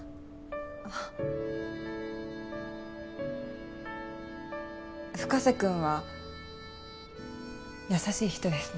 ああ深瀬君は優しい人ですね